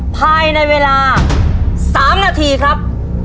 ภายในเวลา๓นาทีครับ